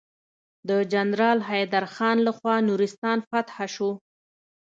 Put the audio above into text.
د جنرال حيدر خان لخوا نورستان فتحه شو.